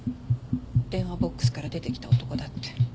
電話ボックスから出てきた男だって。